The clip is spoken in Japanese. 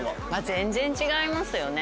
全然違いますよね。